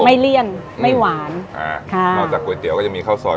เลี่ยนไม่หวานอ่าค่ะนอกจากก๋วยเตี๋ยก็จะมีข้าวซอย